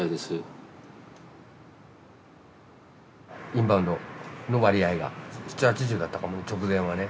インバウンドの割合が７０８０だったかも直前はね。